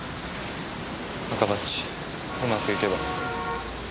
赤バッジうまくいけば。